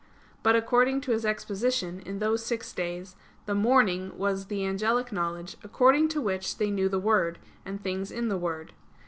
But, according to his exposition, in those six days, "the morning" was the angelic knowledge, according to which they knew the Word and things in the Word.